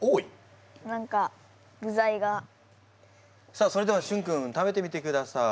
さあそれではしゅん君食べてみてください。